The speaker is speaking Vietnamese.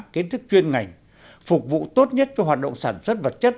kiến thức chuyên ngành phục vụ tốt nhất cho hoạt động sản xuất vật chất